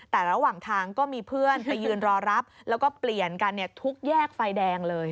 แต่ระหว่างทางก็มีเพื่อนไปยืนรอรับแล้วก็เปลี่ยนกันทุกแยกไฟแดงเลย